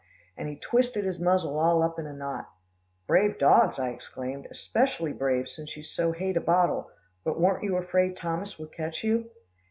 and he twisted his muzzle all up in a knot. "Brave dogs," I exclaimed, "especially brave, since you so hate a bottle, but weren't you afraid Thomas would catch you?"